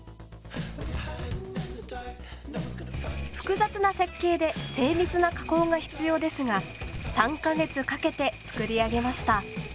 複雑な設計で精密な加工が必要ですが３か月かけて作り上げました。